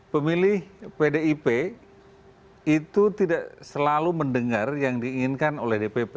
pemilih pdip itu tidak selalu mendengar yang diinginkan oleh dpp